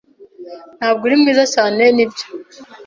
Ntabwo uri mwiza cyane, nibyo?